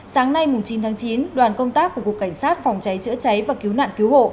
sáng nay chín tháng chín đoàn công tác của cục cảnh sát phòng cháy chữa cháy và cứu nạn cứu hộ